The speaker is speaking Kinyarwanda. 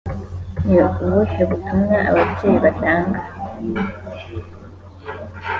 ni ubuhe butumwa ababyeyi batanga